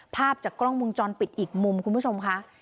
ภาพจากกล้องมุมจรปิดอีกมุมคุณผู้ชมค่ะ